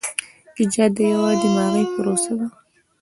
ایجاد یوه دماغي پروسه ده.